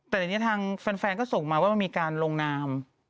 แต่ทีนี้ทางแฟนก็ส่งมาว่ามันมีการลงนาม